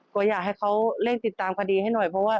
ก็อยากให้เขาเร่งติดตามคดีให้หน่อยเพราะว่า